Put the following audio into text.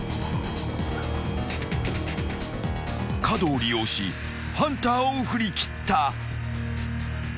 ［角を利用しハンターを振り切った］